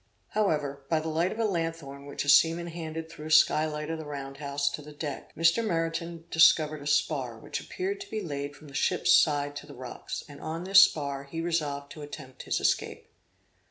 However, by the light of a lanthorn which a seaman handed through a sky light of the round house to the deck, Mr. Meriton discovered a spar which appeared to be laid from the ship's side to the rocks, and on this spar he resolved to attempt his escape.